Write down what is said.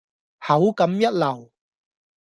口感一流